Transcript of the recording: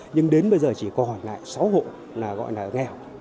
nhưng đến bây giờ chỉ còn lại sáu hộ là gọi là nghèo